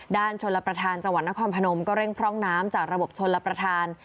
ชนรับประทานจังหวัดนครพนมก็เร่งพร่องน้ำจากระบบชนรับประทาน